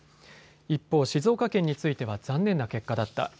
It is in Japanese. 一方、静岡県については残念な結果だった。